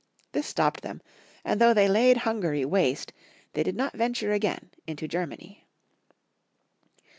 This stopped them, and though they laid Hungary waste, they did not venture again into Germany.